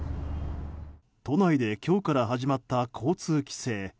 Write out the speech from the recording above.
都内で今日から始まった交通規制。